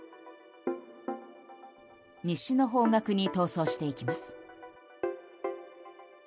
西の方角に逃走していきます。